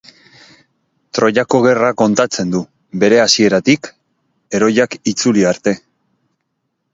Troiako Gerra kontatzen du, bere hasieratik, heroiak itzuli arte.